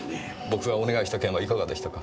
僕がお願いした件はいかがでしたか？